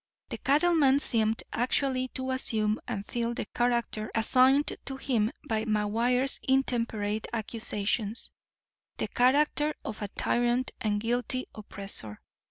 The cattleman seemed actually to assume and feel the character assigned to him by McGuire's intemperate accusations—the character of tyrant and guilty oppressor.